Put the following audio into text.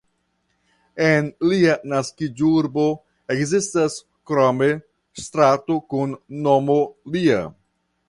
En lia naskiĝurbo ekzistas krome strato kun nomo lia.